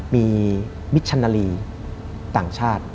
มีมิชชนาลีต่างชาติ